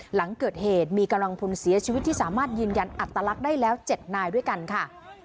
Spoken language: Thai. หลังเกิดเหตุมีกำลังพลเสียชีวิตที่สามารถยืนยันอัตลักษณ์ได้แล้ว๗นายด้วยกันค่ะ